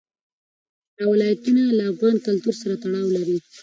دا ولایتونه له افغان کلتور سره تړاو لري.